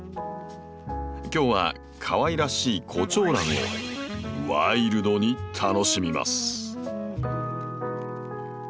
今日はかわいらしいコチョウランをワイルドに楽しみます。